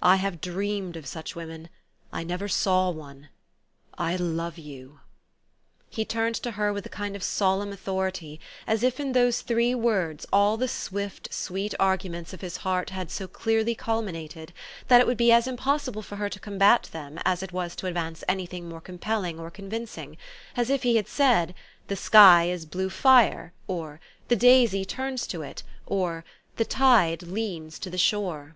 I have dreamed of such women. I never saw one. I love you! " He turned to her with a kind of solemn authority, as if in those three words all the swift, sweet argu ments of his heart had so clearly culminated, that it would be as impossible for her to combat them as it was to advance any thing more compelling or con vincing ; as if he had said, "The sky is blue fire," or "The daisy turns to it," or "The tide leans to the shore."